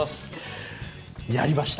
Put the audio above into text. やりました。